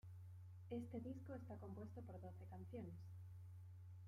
Este disco está compuesto por doce canciones.